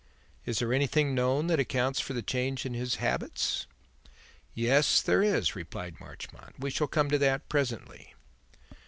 "Is there anything known that accounts for the change in his habits?" "Yes, there is," replied Marchmont. "We shall come to that presently.